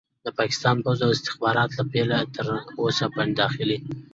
د پاکستان پوځ او استخبارات له پيله تر اوسه فنډ اخلي.